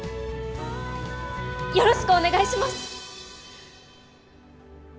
よろしくお願いします！